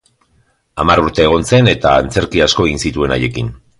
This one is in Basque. Hamar urte egon zen eta antzerki asko egin zituen haiekin.